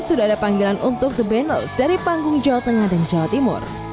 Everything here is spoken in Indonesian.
sudah ada panggilan untuk the bundles dari panggung jawa tengah dan jawa timur